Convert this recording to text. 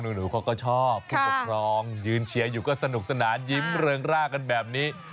หนูเขาก็ชอบผู้ปกครองยืนเชียร์อยู่ก็สนุกสนานยิ้มเริงร่ากันแบบนี้